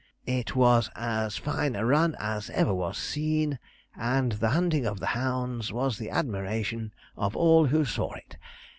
It was as fine a run as ever was seen, and the hunting of the hounds was the admiration of all who saw it.